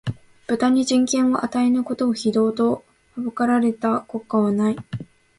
豚に人権を与えぬことを、非道と謗られた国家はない